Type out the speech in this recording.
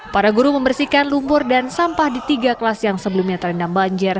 para guru membersihkan lumpur dan sampah di tiga kelas yang sebelumnya terendam banjir